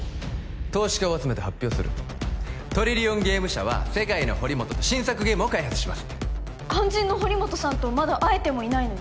投資家を集めて発表するトリリオンゲーム社は世界の堀本と新作ゲームを開発しますって肝心の堀本さんとまだ会えてもいないのに？